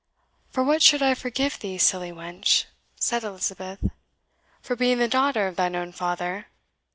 "For what should I forgive thee, silly wench?" said Elizabeth; "for being the daughter of thine own father?